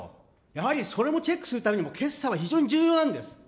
やはりそれもチェックするためにも、決算は非常に重要なんです。